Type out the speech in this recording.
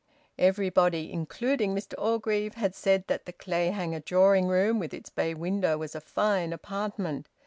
Everybody, including Mr Orgreave, had said that the Clayhanger drawing room with its bay window was a fine apartment.